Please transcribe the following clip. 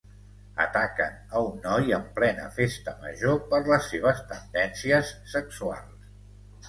Ataquen a un noi en plena festa major per les seves tendències sexuals